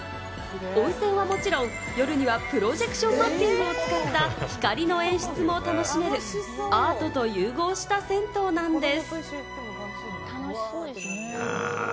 温泉はもちろん、夜にはプロジェクションマッピングを使った光の演出も楽しめるアートと融合した銭湯なんです。